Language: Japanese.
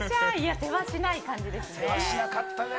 せわしない感じですね。